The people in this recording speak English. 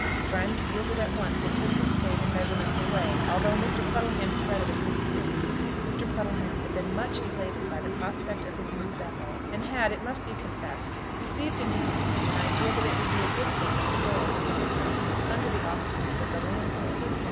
Grimes yielded at once, and took his spade and measurements away, although Mr. Puddleham fretted a good deal. Mr. Puddleham had been much elated by the prospect of his new Bethel, and had, it must be confessed, received into his mind an idea that it would be a good thing to quarrel with the Vicar under the auspices of the landlord.